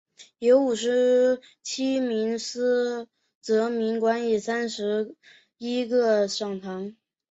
由五十七名司铎名管理三十一个堂区。